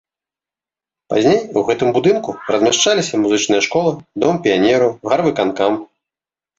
Пазней у гэтым будынку размяшчаліся музычная школа, дом піянераў, гарвыканкам.